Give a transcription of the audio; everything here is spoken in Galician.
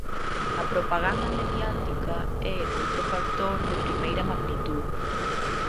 A propaganda mediática é outro factor de primeira magnitude.